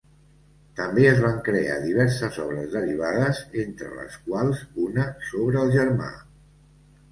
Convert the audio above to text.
També es van crear diverses obres derivades, entre les quals una sobre el germà.